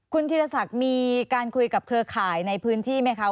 คุณธีรศักดิ์มีการคุยกับเครือข่ายในพื้นที่ไหมคะ